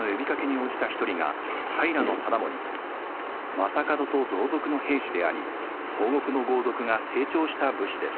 将門と同族の平氏であり東国の豪族が成長した武士です。